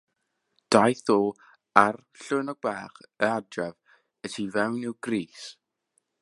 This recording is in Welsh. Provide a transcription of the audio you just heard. Daeth o â'r llwynog bach adre y tu fewn i'w grys.